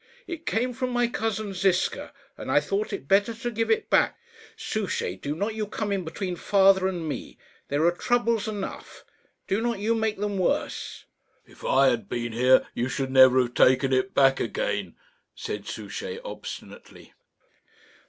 "It came from my cousin Ziska, and I thought it better to give it back. Souchey, do not you come in between father and me. There are troubles enough; do not you make them worse." "If I had been here you should never have taken it back again," said Souchey, obstinately.